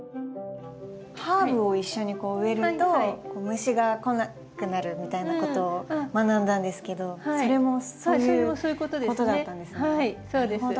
ハーブを一緒に植えると虫が来なくなるみたいなことを学んだんですけどそれもそういうことだったんですね。